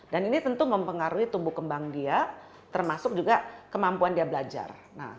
dan ini tentu mempengaruhi tumbuh kembang dia termasuk juga kemampuan dia belajar